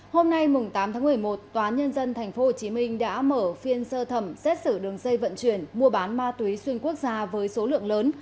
hôm nay tám tháng một mươi một tòa nhân dân tp hcm đã mở phiên sơ thẩm xét xử đường dây vận chuyển mua bán ma túy xuyên quốc gia với số lượng lớn